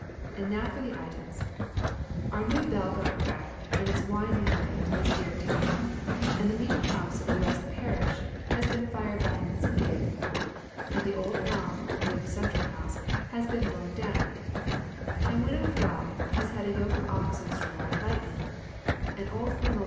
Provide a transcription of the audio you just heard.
And now for the items: Our new bell got cracked, in its winding way to this 'ere town; and the meeting house at the West Parish, has been fired by an incendiary; and the old elm, near the Central House, has been blown down; and Widow Frye has had a yoke of oxen struck by lightning; and old Col.